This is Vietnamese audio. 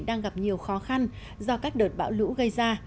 đang gặp nhiều khó khăn do các đợt bão lũ gây ra